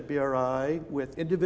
mengalami perasaan di bri